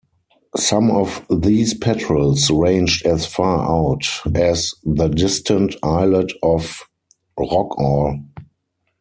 Some of these patrols ranged as far out as the distant islet of Rockall.